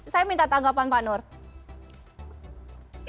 saya minta tanggapan pak nur